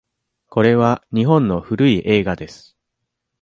これは日本の古い映画です。